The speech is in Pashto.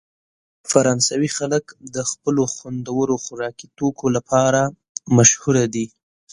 فرانسوي خلک د خپلو خوندورو خوراکي توکو لپاره مشهوره دي.